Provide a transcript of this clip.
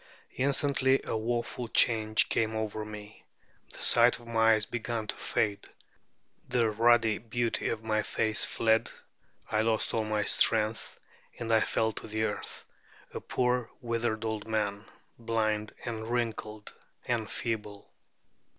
Instantly a woeful change came over me: the sight of my eyes began to fade, the ruddy beauty of my face fled, I lost all my strength, and I fell to the earth, a poor withered old man, blind and wrinkled and feeble.